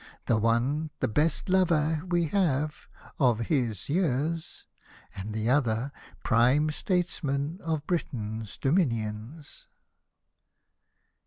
The one, the best lover we have — of his years ^ And the other, Prime Statesman of Britain's dominions.